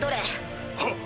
はっ！